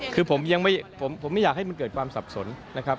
คือผมยังไม่ผมไม่อยากให้มันเกิดความสับสนนะครับ